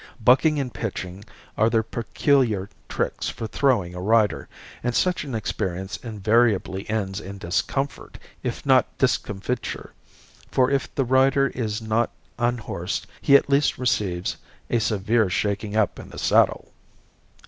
Bucking and pitching are their peculiar tricks for throwing a rider and such an experience invariably ends in discomfort if not discomfiture, for if the rider is not unhorsed he at least receives a severe shaking up in the saddle.